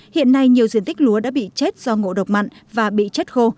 hiện nay nhiều diện tích lúa đã bị chết do ngộ độc mặn và bị chết khô